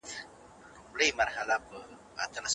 د مسلو د حل لپاره سمه پلټنه خورا اړینه ده.